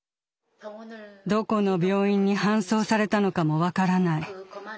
どこの病院に搬送されたのかも分からない。